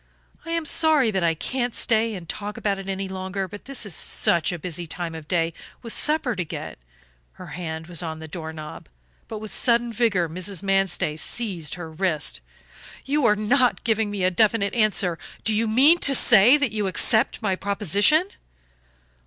I am sorry that I can't stay and talk about it any longer, but this is such a busy time of day, with supper to get " Her hand was on the door knob, but with sudden vigor Mrs. Manstey seized her wrist. "You are not giving me a definite answer. Do you mean to say that you accept my proposition?"